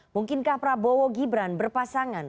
mungkinkah prabowo gibran berpasangan